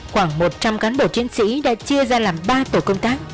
khoảng một trăm linh cán bộ chiến sĩ đã chia ra làm ba tổ công tác